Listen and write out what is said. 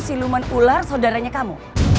siluman ular saudaranya kamu